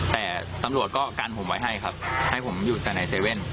แต่ตำรวจก็กันผมไว้ให้ครับให้ผมอยู่แต่ใน๗๑๑